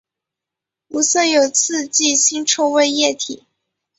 无色有刺激腥臭味的液体。